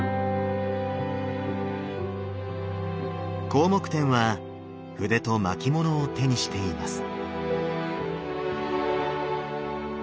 広目天は筆と巻物を手にしています。